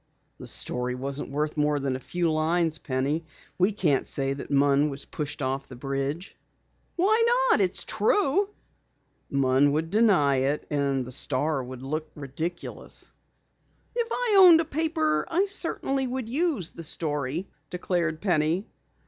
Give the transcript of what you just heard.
"The story isn't worth more than a few lines, Penny. We can't say that Munn was pushed off the bridge." "Why not? It's true." "Munn would deny it, and then the Star would appear ridiculous." "If I owned a paper, I certainly would use the story," declared Penny.